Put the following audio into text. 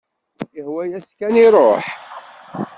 Ihwa-yas kan iruḥ.